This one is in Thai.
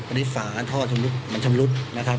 ตอนนี้ฝาท่อมันชำรุดนะครับ